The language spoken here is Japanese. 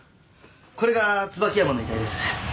これが椿山の遺体です。